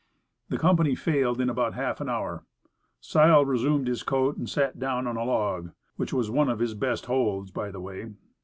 The company failed in about half an hour. Sile resumed his coat, and sat down on a log which was one of his best holds, by the way.